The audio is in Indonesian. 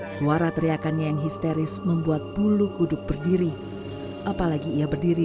suara teriakannya yang histeris membuat bulu kuduk berdiri apalagi ia berdiri